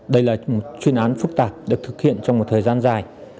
đây là một chuyên án phức tạp được thực hiện trong một thời gian dài